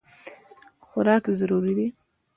خوراک ضروري دی.